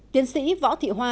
tiến sĩ võ thị hoa